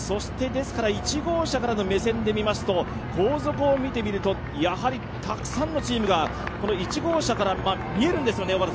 １号車からの目線で見ますと後続を見てみるとたくさんのチームが１号車から見えるんですよね。